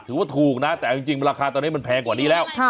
ถือว่าถูกนะแต่เอาจริงราคาตอนนี้มันแพงกว่านี้แล้ว